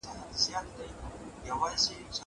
زه به سبا ځواب وليکم..